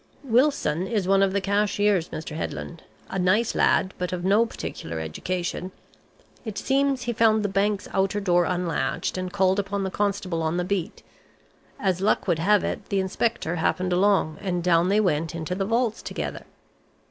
"Wilson is one of the cashiers, Mr. Headland a nice lad, but of no particular education. It seems he found the bank's outer door unlatched, and called up the constable on the beat; as luck would have it the inspector happened along, and down they went into the vaults together.